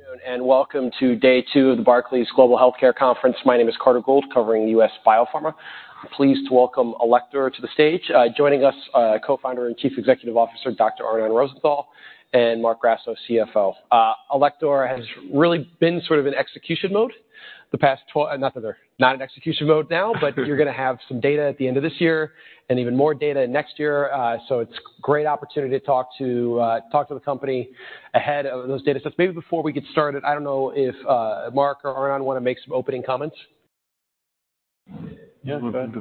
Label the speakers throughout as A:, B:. A: Good afternoon and welcome to day two of the Barclays Global Healthcare Conference. My name is Carter Gould, covering U.S. biopharma. Pleased to welcome Alector to the stage, joining us, co-founder and chief executive officer Dr. Arnon Rosenthal, and Marc Grasso, CFO. Alector has really been sort of in execution mode the past 12 not that they're not in execution mode now, but you're going to have some data at the end of this year and even more data next year. So it's a great opportunity to talk to the company ahead of those data sets. Maybe before we get started, I don't know if Marc or Arnon want to make some opening comments.
B: Yes, go ahead.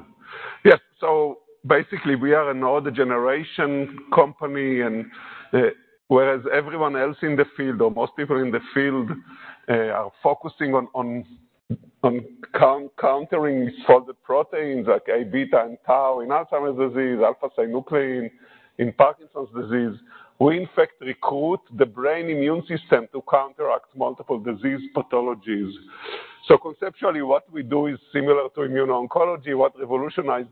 C: Yes, so basically we are an neurodegeneration company, whereas everyone else in the field, or most people in the field, are focusing on countering misfolded proteins like Aβ and tau in Alzheimer's disease, alpha-synuclein in Parkinson's disease. We in fact recruit the brain immune system to counteract multiple disease pathologies. So conceptually what we do is similar to immuno-oncology. What revolutionized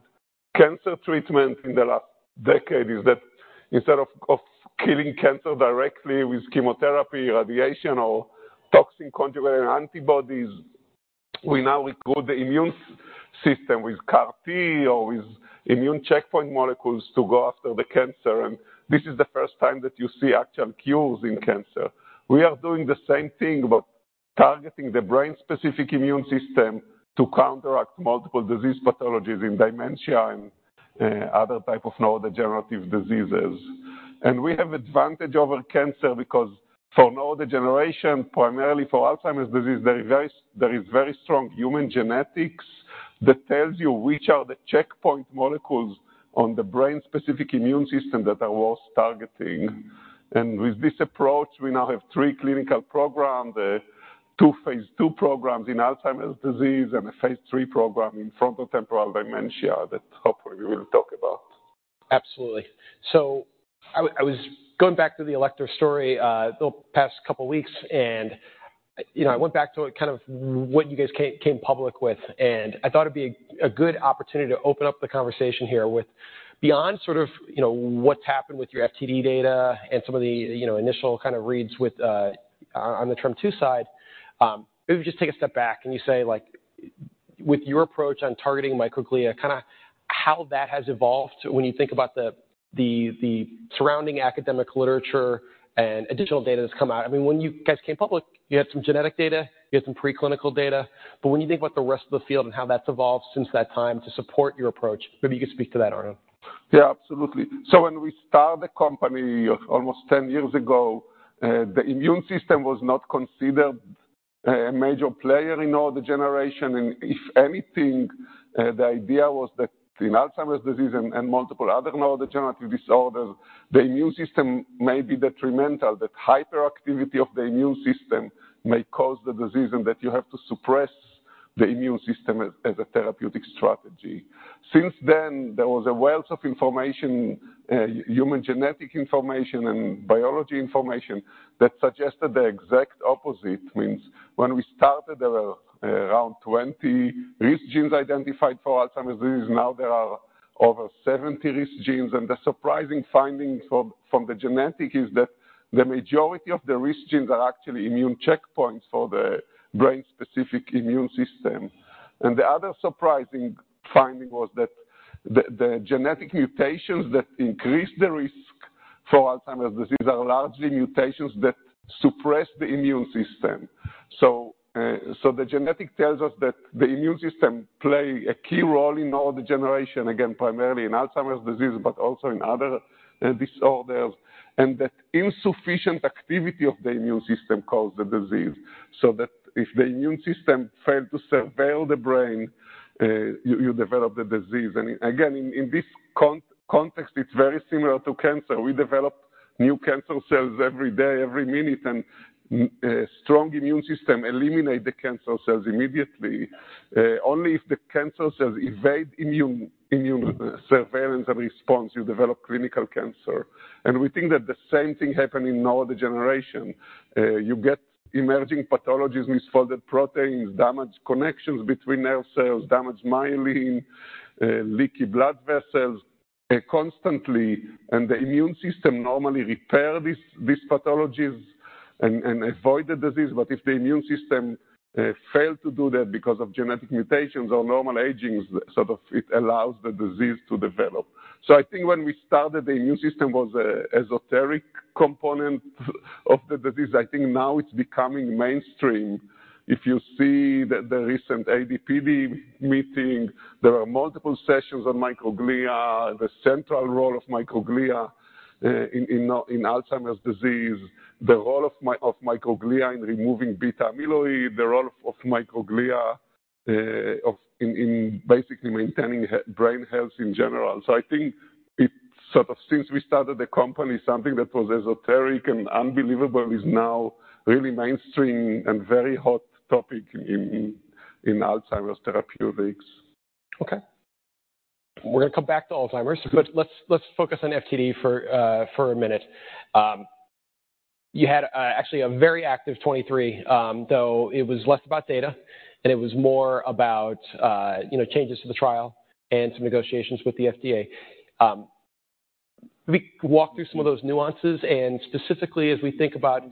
C: cancer treatment in the last decade is that instead of killing cancer directly with chemotherapy, radiation, or toxin conjugated antibodies, we now recruit the immune system with CAR-T or with immune checkpoint molecules to go after the cancer. And this is the first time that you see actual cures in cancer. We are doing the same thing but targeting the brain-specific immune system to counteract multiple disease pathologies in dementia and other types of neurodegenerative diseases. We have an advantage over cancer because for neurodegeneration, primarily for Alzheimer's disease, there is very strong human genetics that tells you which are the checkpoint molecules on the brain-specific immune system that are worth targeting. With this approach, we now have three clinical programs, 2 Phase II programs in Alzheimer's disease, and a Phase III program in frontotemporal dementia that hopefully we will talk about.
A: Absolutely. So I was going back to the Alector story. The past couple of weeks, and I went back to kind of what you guys came public with, and I thought it'd be a good opportunity to open up the conversation here with beyond sort of what's happened with your FTD data and some of the initial kind of reads on the TREM2 side. Maybe just take a step back and you say with your approach on targeting microglia, kind of how that has evolved when you think about the surrounding academic literature and additional data that's come out. I mean, when you guys came public, you had some genetic data, you had some preclinical data. But when you think about the rest of the field and how that's evolved since that time to support your approach, maybe you could speak to that, Arnon.
C: Yeah, absolutely. So when we started the company almost 10 years ago, the immune system was not considered a major player in neurodegeneration. And if anything, the idea was that in Alzheimer's disease and multiple other neurodegenerative disorders, the immune system may be detrimental. That hyperactivity of the immune system may cause the disease and that you have to suppress the immune system as a therapeutic strategy. Since then, there was a wealth of information, human genetic information, and biology information that suggested the exact opposite. Meaning when we started, there were around 20 risk genes identified for Alzheimer's disease. Now there are over 70 risk genes. And the surprising finding from the genetic is that the majority of the risk genes are actually immune checkpoints for the brain-specific immune system. The other surprising finding was that the genetic mutations that increase the risk for Alzheimer's disease are largely mutations that suppress the immune system. So the genetic tells us that the immune system plays a key role in neurodegeneration, again, primarily in Alzheimer's disease, but also in other disorders, and that insufficient activity of the immune system causes the disease. So that if the immune system failed to surveil the brain, you develop the disease. And again, in this context, it's very similar to cancer. We develop new cancer cells every day, every minute, and a strong immune system eliminates the cancer cells immediately. Only if the cancer cells evade immune surveillance and response, you develop clinical cancer. And we think that the same thing happened in neurodegeneration. You get emerging pathologies, misfolded proteins, damaged connections between nerve cells, damaged myelin, leaky blood vessels constantly. The immune system normally repairs these pathologies and avoids the disease. But if the immune system fails to do that because of genetic mutations or normal aging, sort of it allows the disease to develop. I think when we started, the immune system was an esoteric component of the disease. I think now it's becoming mainstream. If you see the recent AD/PD meeting, there are multiple sessions on microglia, the central role of microglia in Alzheimer's disease, the role of microglia in removing beta amyloid, the role of microglia in basically maintaining brain health in general. I think it sort of since we started the company, something that was esoteric and unbelievable is now really mainstream and very hot topic in Alzheimer's therapeutics.
A: Okay. We're going to come back to Alzheimer's, but let's focus on FTD for a minute. You had actually a very active 2023, though it was less about data and it was more about changes to the trial and some negotiations with the Phase I. Maybe walk through some of those nuances. Specifically, as we think about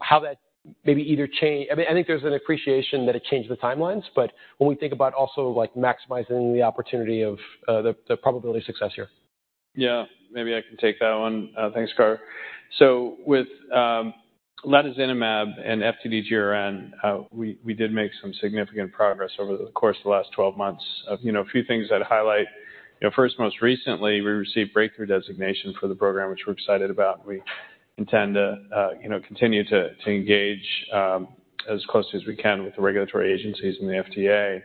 A: how that maybe either change, I mean, I think there's an appreciation that it changed the timelines, but when we think about also maximizing the opportunity of the probability of success here.
B: Yeah, maybe I can take that one. Thanks, Carter. So with latozinemab and FTD-GRN, we did make some significant progress over the course of the last 12 months. A few things I'd highlight. First, most recently, we received breakthrough designation for the program, which we're excited about. We intend to continue to engage as closely as we can with the regulatory agencies and the Phase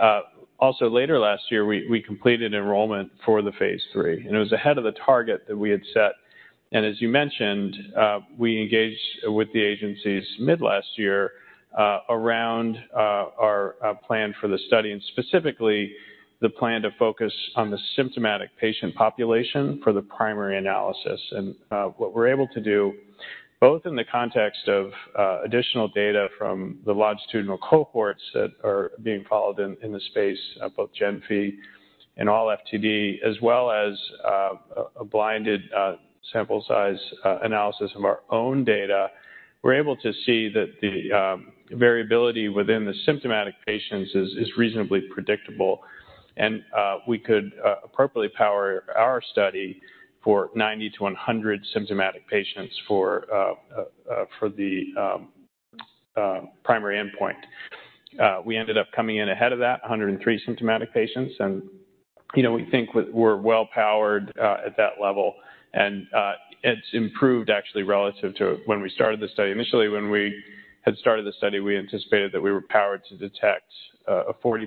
B: I. Also, later last year, we completed enrollment for the Phase III, and it was ahead of the target that we had set. And as you mentioned, we engaged with the agencies mid-last year around our plan for the study and specifically the plan to focus on the symptomatic patient population for the primary analysis. What we're able to do, both in the context of additional data from the longitudinal cohorts that are being followed in the space, both GENFI and ALLFTD, as well as a blinded sample size analysis of our own data, we're able to see that the variability within the symptomatic patients is reasonably predictable. We could appropriately power our study for 90-100 symptomatic patients for the primary endpoint. We ended up coming in ahead of that, 103 symptomatic patients. We think we're well powered at that level. It's improved actually relative to when we started the study. Initially, when we had started the study, we anticipated that we were powered to detect a 40%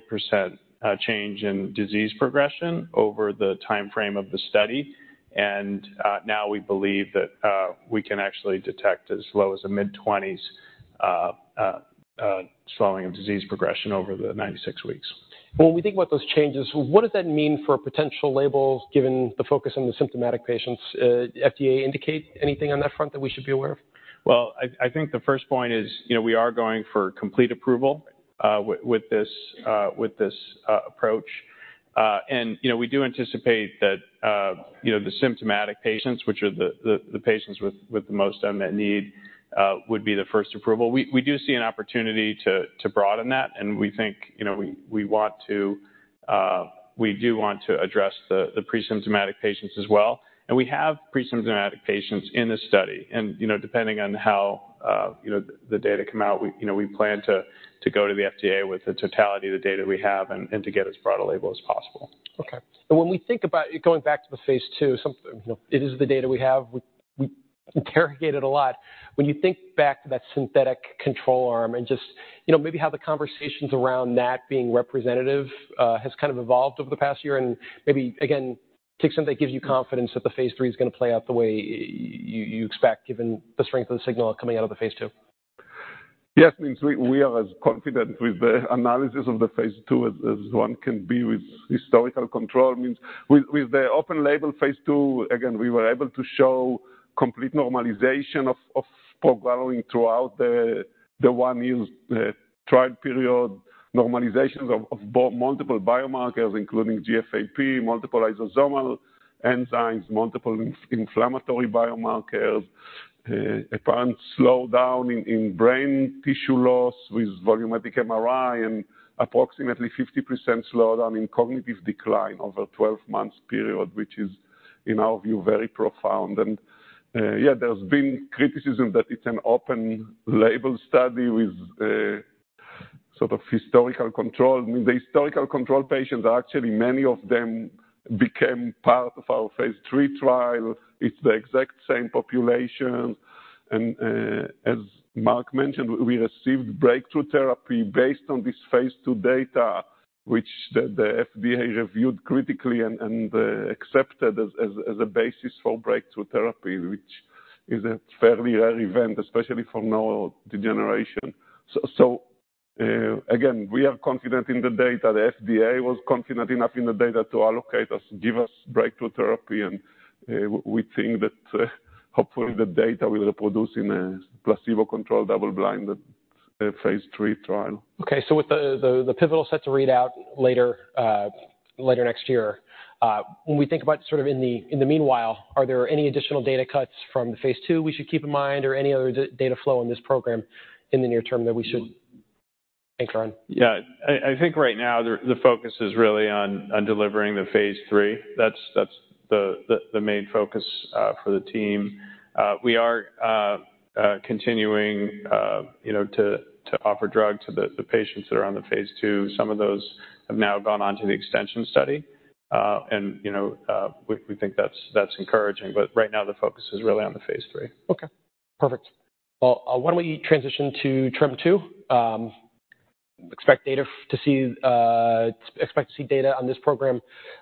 B: change in disease progression over the time frame of the study. Now we believe that we can actually detect as low as a mid-20s slowing of disease progression over the 96 weeks.
A: When we think about those changes, what does that mean for potential labels given the focus on the symptomatic patients? FDA indicate anything on that front that we should be aware of?
B: Well, I think the first point is we are going for complete approval with this approach. And we do anticipate that the symptomatic patients, which are the patients with the most unmet need, would be the first approval. We do see an opportunity to broaden that. And we think we want to we do want to address the presymptomatic patients as well. And we have presymptomatic patients in this study. And depending on how the data come out, we plan to go to the FDA with the totality of the data we have and to get as broad a label as possible.
A: Okay. And when we think about going back to the Phase II, it is the data we have. We interrogated a lot. When you think back to that synthetic control arm and just maybe how the conversations around that being representative has kind of evolved over the past year and maybe, again, take something that gives you confidence that the Phase III is going to play out the way you expect given the strength of the signal coming out of the Phase II.
C: Yes, I mean, we are as confident with the analysis of the Phase II as one can be with historical control. Means with the open label Phase II, again, we were able to show complete normalization of progranulin processing throughout the one-year trial period, normalizations of multiple biomarkers, including GFAP, multiple lysosomal enzymes, multiple inflammatory biomarkers, apparent slowdown in brain tissue loss with volumetric MRI, and approximately 50% slowdown in cognitive decline over a 12-month period, which is, in our view, very profound. And yeah, there's been criticism that it's an open label study with sort of historical control. I mean, the historical control patients, actually many of them became part of our Phase III trial. It's the exact same population. As Marc mentioned, we received breakthrough therapy based on this Phase II data, which the FDA reviewed critically and accepted as a basis for breakthrough therapy, which is a fairly rare event, especially for neurodegeneration. So again, we are confident in the data. The FDA was confident enough in the data to allocate us, give us breakthrough therapy. And we think that hopefully the data will reproduce in a placebo-controlled double-blind Phase III trial.
A: Okay. So with the pivotal set to read out later next year, when we think about sort of in the meanwhile, are there any additional data cuts from the Phase II we should keep in mind or any other data flow in this program in the near term that we should? Thanks, Arnon.
B: Yeah, I think right now the focus is really on delivering the phase three. That's the main focus for the team. We are continuing to offer drugs to the patients that are on the Phase II. Some of those have now gone on to the extension study. And we think that's encouraging. But right now the focus is really on the Phase III.
A: Okay. Perfect. Well, why don't we transition to TREM2? Expect to see data on this program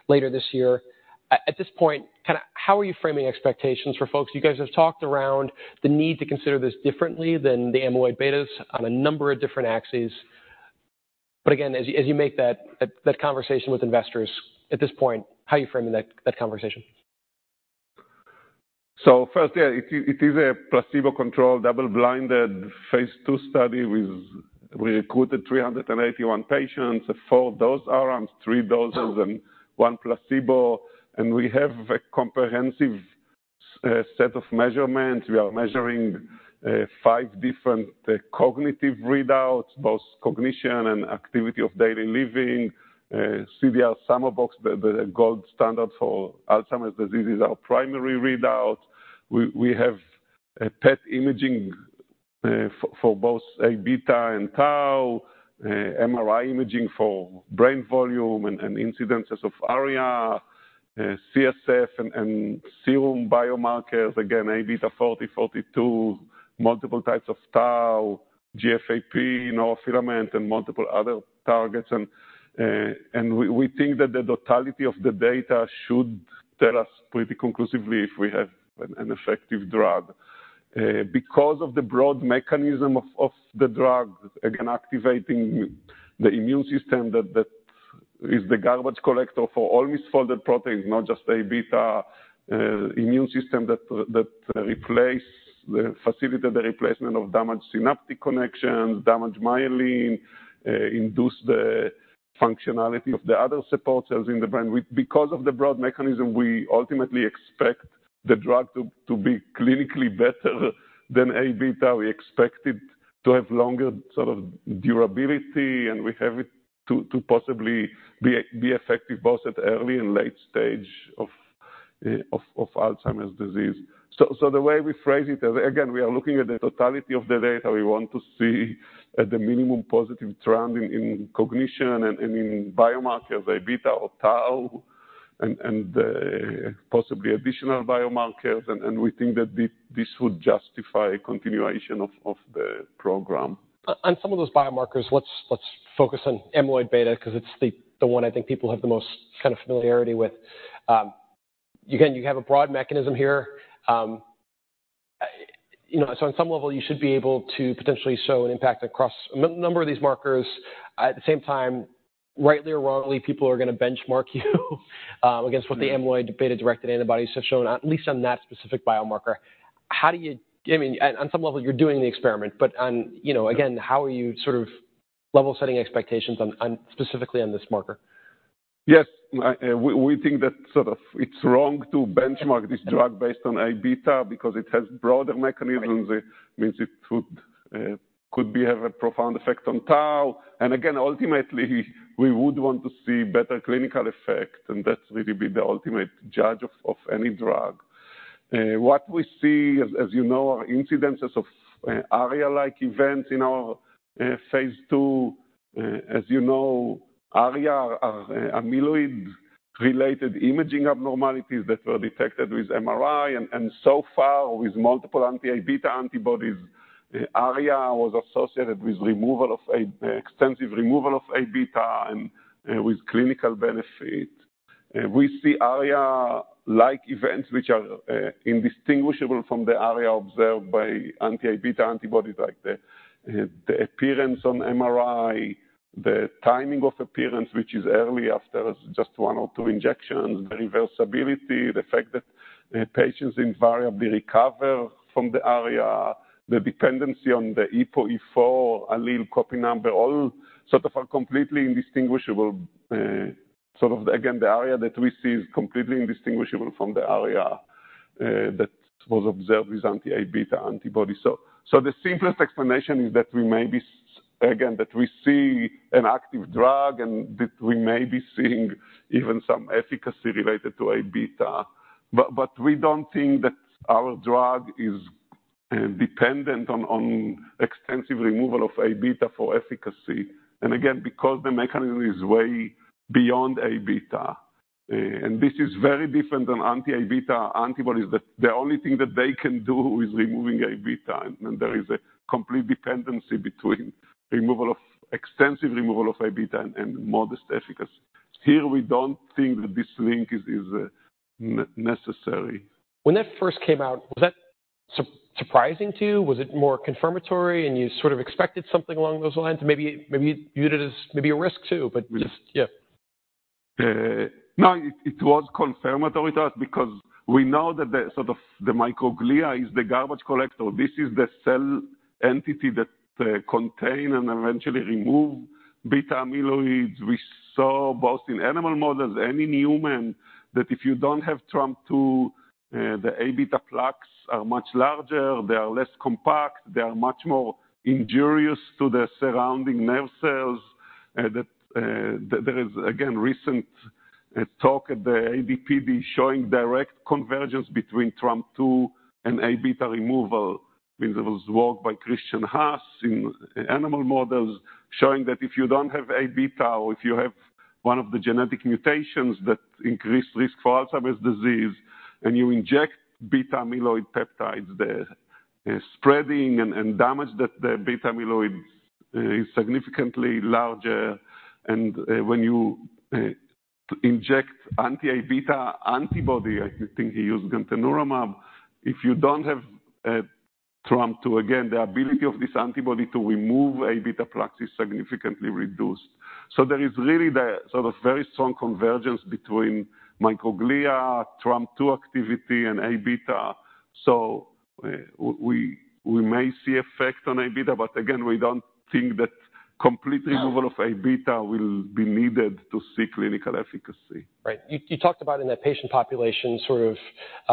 A: later this year. At this point, kind of how are you framing expectations for folks? You guys have talked around the need to consider this differently than the amyloid betas on a number of different axes. But again, as you make that conversation with investors, at this point, how are you framing that conversation?
C: So first, yeah, it is a placebo-controlled double-blind Phase II study. We recruited 381 patients, 4 dose arms, 3 doses, and 1 placebo. And we have a comprehensive set of measurements. We are measuring five different cognitive readouts, both cognition and activity of daily living. CDR-SB, the gold standard for Alzheimer's disease, is our primary readout. We have PET imaging for both Aβ and tau, MRI imaging for brain volume and incidences of ARIA, CSF, and serum biomarkers. Again, Aβ 40, 42, multiple types of tau, GFAP, neurofilament, and multiple other targets. And we think that the totality of the data should tell us pretty conclusively if we have an effective drug. Because of the broad mechanism of the drug, again, activating the immune system that is the garbage collector for all misfolded proteins, not just Aβ, immune system that facilitates the replacement of damaged synaptic connections, damaged myelin, induce the functionality of the other support cells in the brain. Because of the broad mechanism, we ultimately expect the drug to be clinically better than Aβ. We expect it to have longer sort of durability, and we have it to possibly be effective both at early and late stage of Alzheimer's disease. So the way we phrase it, again, we are looking at the totality of the data. We want to see the minimum positive trend in cognition and in biomarkers, Aβ or tau, and possibly additional biomarkers. And we think that this would justify continuation of the program.
A: On some of those biomarkers, let's focus on amyloid beta because it's the one I think people have the most kind of familiarity with. Again, you have a broad mechanism here. So on some level, you should be able to potentially show an impact across a number of these markers. At the same time, rightly or wrongly, people are going to benchmark you against what the amyloid beta-directed antibodies have shown, at least on that specific biomarker. I mean, on some level, you're doing the experiment. But again, how are you sort of level-setting expectations specifically on this marker?
C: Yes, we think that sort of it's wrong to benchmark this drug based on Aβ because it has broader mechanisms. It means it could have a profound effect on tau. And again, ultimately, we would want to see better clinical effect. And that's really the ultimate judge of any drug. What we see, as you know, are incidences of ARIA-like events in our Phase II. As you know, ARIA are amyloid-related imaging abnormalities that were detected with MRI. And so far, with multiple anti-Aβ antibodies, ARIA was associated with extensive removal of Aβ and with clinical benefit. We see ARIA-like events which are indistinguishable from the ARIA observed by anti-amyloid beta antibodies, like the appearance on MRI, the timing of appearance, which is early after just one or two injections, the reversibility, the fact that patients invariably recover from the ARIA, the dependency on the APOE4 allele copy number, all sort of are completely indistinguishable. Sort of, again, the ARIA that we see is completely indistinguishable from the ARIA that was observed with anti-amyloid beta antibodies. So the simplest explanation is that we may be again, that we see an active drug and that we may be seeing even some efficacy related to amyloid beta. But we don't think that our drug is dependent on extensive removal of amyloid beta for efficacy. And again, because the mechanism is way beyond amyloid beta. And this is very different than anti-amyloid beta antibodies. The only thing that they can do is removing Aβ. There is a complete dependency between extensive removal of Aβ and modest efficacy. Here, we don't think that this link is necessary.
A: When that first came out, was that surprising to you? Was it more confirmatory and you sort of expected something along those lines? Maybe you did it as maybe a risk too, but just yeah.
C: No, it was confirmatory to us because we know that sort of the microglia is the garbage collector. This is the cell entity that contains and eventually removes amyloid beta. We saw both in animal models and in humans that if you don't have TREM2, the amyloid beta plaques are much larger. They are less compact. They are much more injurious to the surrounding nerve cells. There is, again, recent talk at the AD/PD showing direct convergence between TREM2 and amyloid beta removal. Means it was worked by Christian Haass in animal models, showing that if you don't have amyloid beta or if you have one of the genetic mutations that increase risk for Alzheimer's disease and you inject amyloid beta peptides, the spreading and damage that the amyloid beta is significantly larger. When you inject anti-A beta antibody, I think he used gantenerumab, if you don't have TREM2, again, the ability of this antibody to remove A beta plaques is significantly reduced. There is really sort of very strong convergence between microglia, TREM2 activity, and A beta. We may see effect on A beta. But again, we don't think that complete removal of A beta will be needed to see clinical efficacy.
A: Right. You talked about in that patient population sort of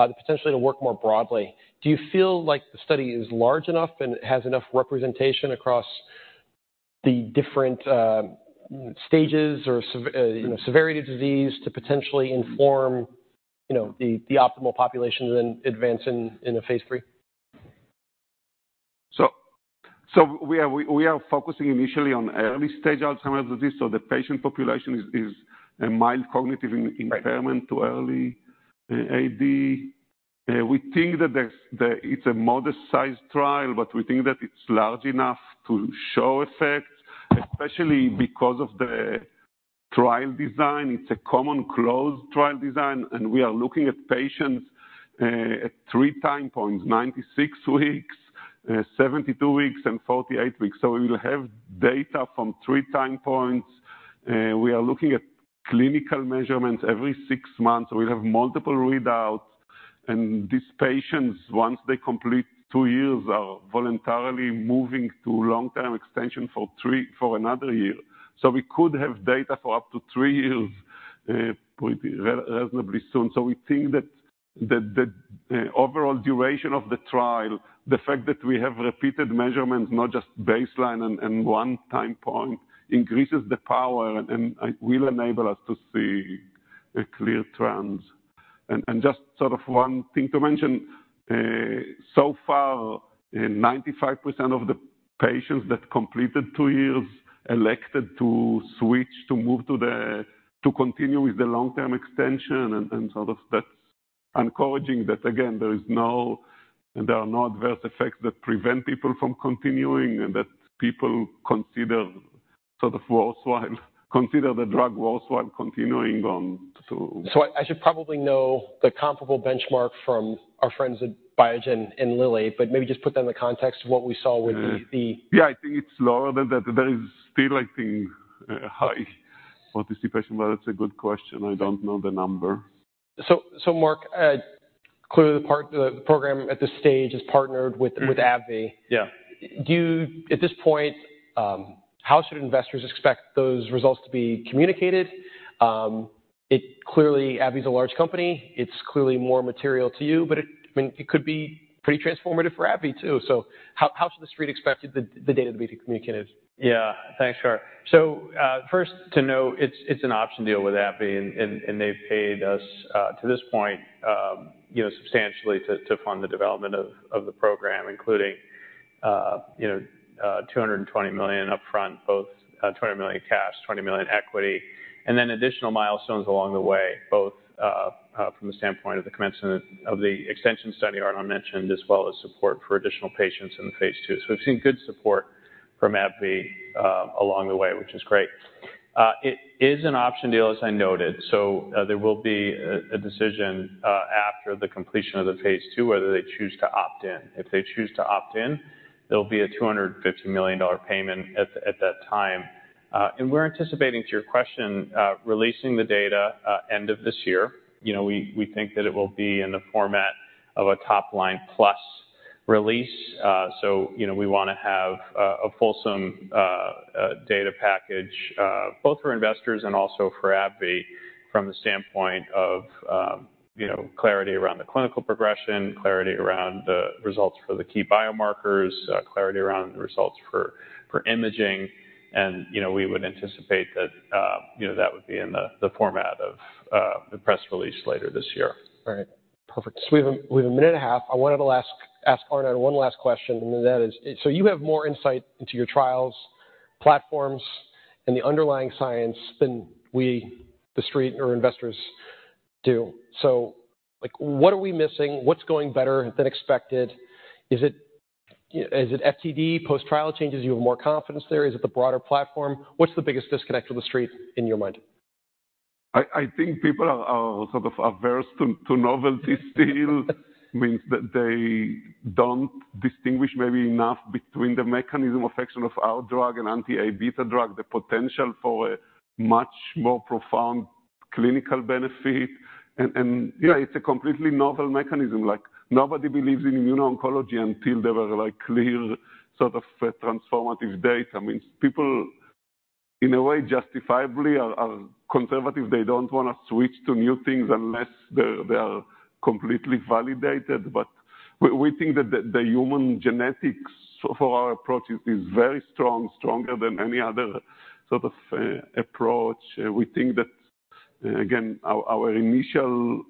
A: the potential to work more broadly. Do you feel like the study is large enough and has enough representation across the different stages or severity of disease to potentially inform the optimal population to then advance in a Phase III?
C: We are focusing initially on early-stage Alzheimer's disease. The patient population is a mild cognitive impairment to early AD. We think that it's a modest-sized trial, but we think that it's large enough to show effects, especially because of the trial design. It's a common close trial design. We are looking at patients at three time points, 96 weeks, 72 weeks, and 48 weeks. We will have data from three time points. We are looking at clinical measurements every six months. We'll have multiple readouts. These patients, once they complete two years, are voluntarily moving to long-term extension for another year. We could have data for up to three years reasonably soon. So we think that the overall duration of the trial, the fact that we have repeated measurements, not just baseline and one time point, increases the power and will enable us to see clear trends. And just sort of one thing to mention, so far, 95% of the patients that completed two years elected to switch to move to continue with the long-term extension. And sort of that's encouraging that, again, there are no adverse effects that prevent people from continuing and that people consider sort of worthwhile consider the drug worthwhile continuing on to.
A: I should probably know the comparable benchmark from our friends at Biogen and Lilly, but maybe just put that in the context of what we saw with the.
C: Yeah, I think it's lower than that. There is still, I think, high participation. But that's a good question. I don't know the number.
A: So Marc, clearly the program at this stage is partnered with AbbVie. At this point, how should investors expect those results to be communicated? AbbVie is a large company. It's clearly more material to you. But I mean, it could be pretty transformative for AbbVie too. So how should the street expect the data to be communicated?
B: Yeah, thanks, Carter. So first to note, it's an option deal with AbbVie. And they've paid us to this point substantially to fund the development of the program, including $220 million upfront, both $20 million cash, $20 million equity, and then additional milestones along the way, both from the standpoint of the commencement of the extension study Arnon mentioned, as well as support for additional patients in the Phase II. So we've seen good support from AbbVie along the way, which is great. It is an option deal, as I noted. So there will be a decision after the completion of the Phase II whether they choose to opt in. If they choose to opt in, there'll be a $250 million payment at that time. And we're anticipating, to your question, releasing the data end of this year. We think that it will be in the format of a top-line plus release. We want to have a fulsome data package both for investors and also for AbbVie from the standpoint of clarity around the clinical progression, clarity around the results for the key biomarkers, clarity around the results for imaging. We would anticipate that that would be in the format of a press release later this year.
A: All right. Perfect. So we have a minute and a half. I wanted to ask Arnon one last question. And that is, so you have more insight into your trials, platforms, and the underlying science than we, the street, or investors do. So what are we missing? What's going better than expected? Is it FTD post-trial changes? You have more confidence there? Is it the broader platform? What's the biggest disconnect with the street in your mind?
C: I think people are sort of averse to novelty still. Means that they don't distinguish maybe enough between the mechanism of action of our drug and anti-amyloid beta drug, the potential for a much more profound clinical benefit. And it's a completely novel mechanism. Nobody believes in immuno-oncology until there are clear sort of transformative data. Means people, in a way, justifiably are conservative. They don't want to switch to new things unless they are completely validated. But we think that the human genetics for our approach is very strong, stronger than any other sort of approach. We think that, again, our initial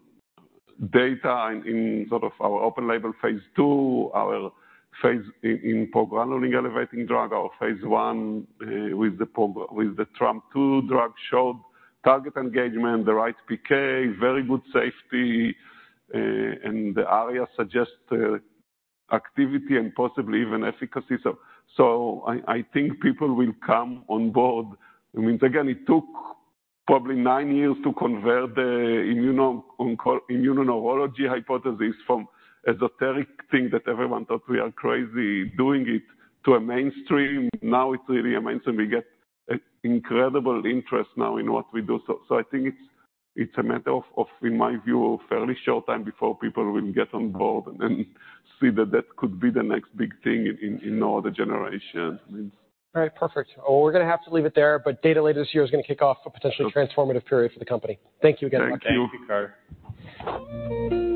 C: data in sort of our open-label Phase II, our progranulin-elevating drug, our Phase I with the TREM2 drug showed target engagement, the right PK, very good safety, and the ARIA suggested activity and possibly even efficacy. So I think people will come on board. mean, again, it took probably nine years to convert the immuno-neurology hypothesis from esoteric thing that everyone thought we are crazy doing it to a mainstream. Now it's really a mainstream. We get incredible interest now in what we do. So I think it's a matter of, in my view, a fairly short time before people will get on board and see that that could be the next big thing in all the generations.
A: All right. Perfect. Well, we're going to have to leave it there. But data later this year is going to kick off a potentially transformative period for the company. Thank you again, Marc.
C: Thank you.
B: Thank you, Carter.